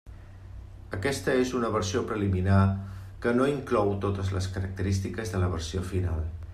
Aquesta és una versió preliminar que no inclou totes les característiques de la versió final.